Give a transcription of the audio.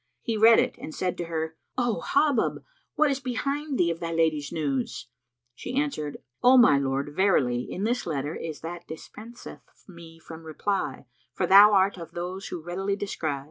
He read it and said to her, "O Hubub, what is behind thee of thy lady's news[FN#325]?" She answered, "O my lord, verily, in this letter is that dispenseth me from reply, for thou art of those who readily descry!"